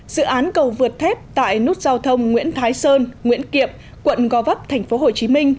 dự án cầu vượt thép tại nút giao thông nguyễn thái sơn nguyễn kiệp quận go vấp tp hcm